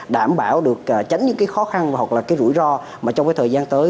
đảm bảo được tránh những cái khó khăn hoặc là cái rủi ro mà trong cái thời gian tới